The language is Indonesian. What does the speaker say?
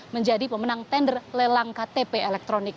menjadi pemenang tender lelang ktp elektronik